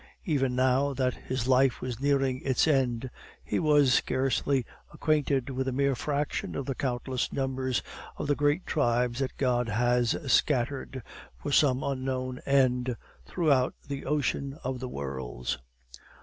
Even now that his life was nearing its end, he was scarcely acquainted with a mere fraction of the countless numbers of the great tribes that God has scattered, for some unknown end, throughout the ocean of worlds.